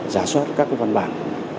giả soát các văn bản